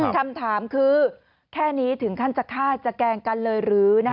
คำถามคือแค่นี้ถึงขั้นจะฆ่าจะแกล้งกันเลยหรือ